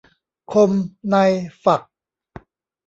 คมในฝัก